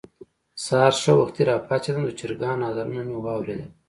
سهار ښه وختي راپاڅېدم، د چرګانو اذانونه مې واورېدل.